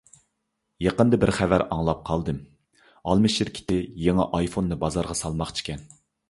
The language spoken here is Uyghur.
يېقىندا بىر خەۋەر ئاڭلاپ قالدىم: ئالما شىركىتى يېڭى ئايفوننى بازارغا سالماقچىكەن.